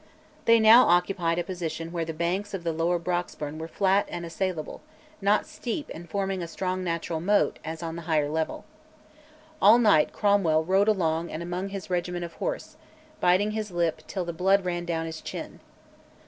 They now occupied a position where the banks of the lower Broxburn were flat and assailable, not steep and forming a strong natural moat, as on the higher level. All night Cromwell rode along and among his regiments of horse, biting his lip till the blood ran down his chin.